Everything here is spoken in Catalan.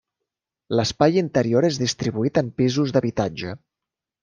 L'espai interior és distribuït en pisos d'habitatge.